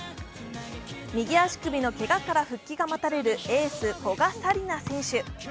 右足首のけがから復帰が待たれるエース・古賀紗理那選手。